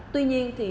tuy nhiên thì